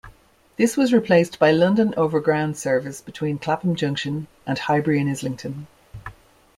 This was replaced by London Overground's service between Clapham Junction and Highbury and Islington.